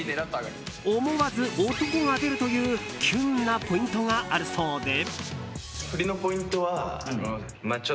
思わず男が出るというキュンなポイントがあるそうで。